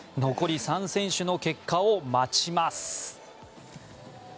残り３選手の結果を待ちます。